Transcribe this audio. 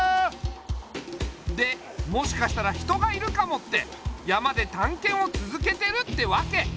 でもしかしたら人がいるかもって山でたんけんをつづけてるってわけ。